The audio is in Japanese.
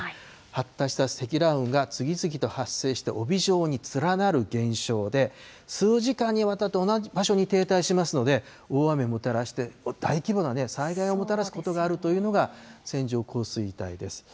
発達した積乱雲が次々と発生して帯状に連なる現象で、数時間にわたって同じ場所に停滞しますので、大雨をもたらして、大規模な災害をもたらすことがあるというのが、線状降水帯です。